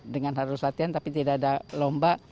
dengan harus latihan tapi tidak ada lomba